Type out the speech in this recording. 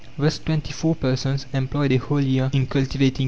Thus twenty four persons employed a whole year in cultivating 2.